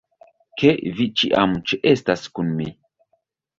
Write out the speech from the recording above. ... ke vi ĉiam ĉeestas kun mi!